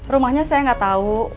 rumahnya saya gatau